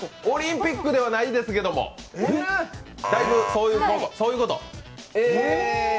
オリンピックではないんですけど、だいぶそういうこと。